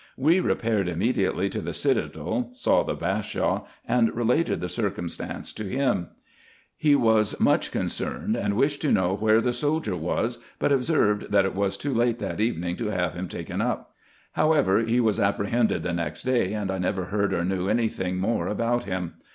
We repaired immediately to the citadel, saw the Bashaw, and related the circumstance to him. He was much con * Dhurra is the common grain of Egypt. IN EGYPT, NUBIA, &c. 21 cerned, and wished to know where the soldier was, but observed, that it was too late that evening to have him taken up. However, he was apprehended the next day, and I never heard or knew any thing more about him.